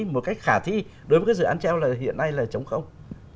một cách khả thi đối với cái dự án treo là hiện nay là chống không